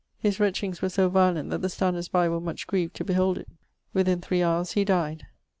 His retchings were so violent that the standers by were much grieved to behold it. Within three howres he dyed.